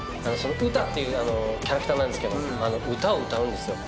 ウタっていうキャラクターなんですけど歌を歌うんですよ。